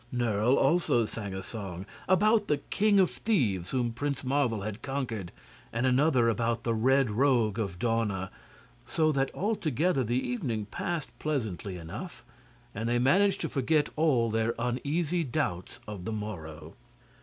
Nerle also sang a song about the King of Thieves whom Prince Marvel had conquered, and another about the Red Rogue of Dawna, so that altogether the evening passed pleasantly enough, and they managed to forget all their uneasy doubts of the morrow.